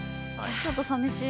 ちょっとさみしい。